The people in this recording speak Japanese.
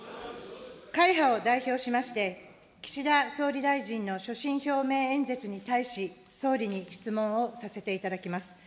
会派を代表しまして、岸田総理大臣の所信表明演説に対し、総理に質問をさせていただきます。